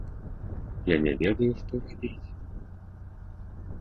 Я не ведаю, што рабіць?